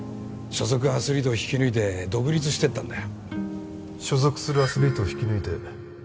所属アスリートを引き抜いて独立してったんだよ所属するアスリートを引き抜いて